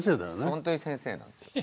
ほんとに先生なんですよ。